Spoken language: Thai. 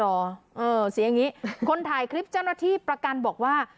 เสียงอย่างนี้คนถ่ายคลิปเจ้าหน้าที่ประกันบอกว่า